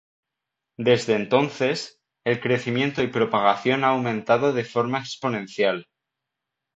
Desde entonces, el crecimiento y propagación ha aumentado de forma exponencial.